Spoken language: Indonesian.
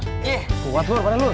kuat lur kuat lur